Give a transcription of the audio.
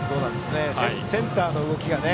センターの動きがね